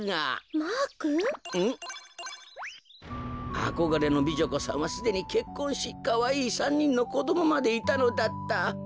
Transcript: あこがれの美女子さんはすでにけっこんしかわいい３にんのこどもまでいたのだった。